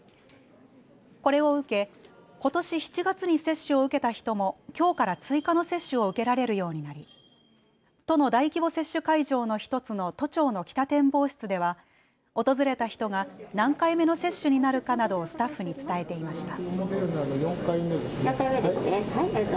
これを受けことし７月に接種を受けた人もきょうから追加の接種を受けられるようになり都の大規模接種会場の１つの都庁の北展望室では訪れた人が何回目の接種になるかなどをスタッフに伝えていました。